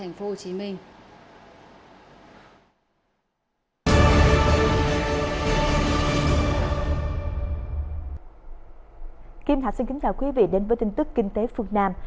kim thạch xin kính chào quý vị đến với tin tức kinh tế phương nam